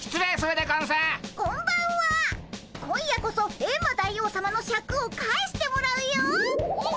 今夜こそエンマ大王さまのシャクを返してもらうよっ。